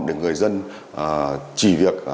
để người dân chỉ việc